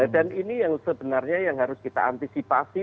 dan ini yang sebenarnya yang harus kita antisipasi